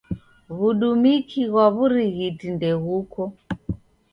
W'udumiki ghwa w'urighiti ndeghuko.